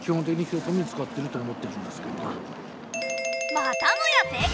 またもや正解！